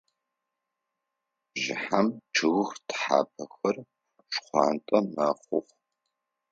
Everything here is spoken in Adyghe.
Бжыхьэм чъыг тхьапэхэр шхъуантӏэ мэхъух.